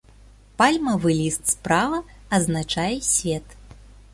Пальмавы ліст справа азначае свет.